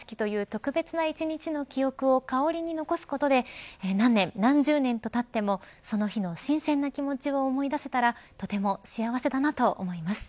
結婚式という特別な１日の記憶を残すことで何年、何十年と経ってもその日の新鮮な気持ちを思い出せたらとても幸せだなと思います。